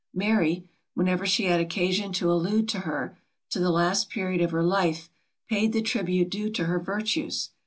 Mary, whenever she had occasion to allude to her, to the last period of her life, paid the tribute due to her virtues.